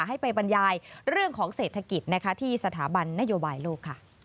ให้ไปบรรยายเรื่องของเศรษฐกิจที่สถาบันนโยบายโลกค่ะ